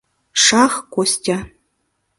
Шах, Костя.